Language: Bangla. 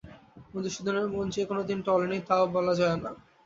মধুসূদনের মন যে কোনোদিন টলে নি তাও বলা যায় না।